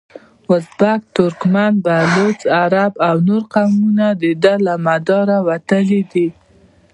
ازبک، ترکمن، بلوڅ، عرب او نور قومونه دده له مداره وتلي دي.